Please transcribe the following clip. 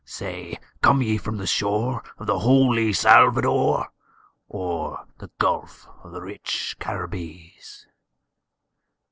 Say, come ye from the shore of the holy Salvador, Or the gulf of the rich Caribbees?"